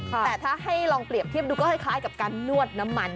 แต่ถ้าให้ลองเปรียบเทียบดูก็คล้ายกับการนวดน้ำมัน